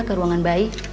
ke ruangan bayi